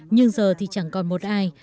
nhưng giờ thì chẳng còn một ai